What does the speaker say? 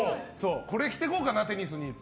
これ着てこうかな、テニスにって。